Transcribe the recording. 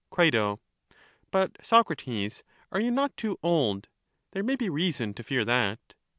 Cri, But, Socrates, are you not too old? there may be reason to fear that.